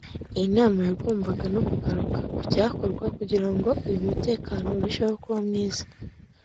Iyi nama yagombaga no kugaruka ku cyakorwa kugira ngo umutekano urushe kuba mwiza